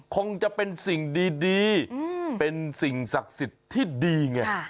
คงจะเป็นสิ่งดีเป็นสิ่งศักดิ์สิทธิ์ที่ดีไง